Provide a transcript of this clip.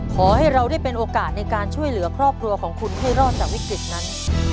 ขอให้เราได้เป็นโอกาสในการช่วยเหลือครอบครัวของคุณให้รอดจากวิกฤตนั้น